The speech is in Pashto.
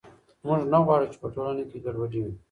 موږ نه غواړو چې په ټولنه کې ګډوډي وي.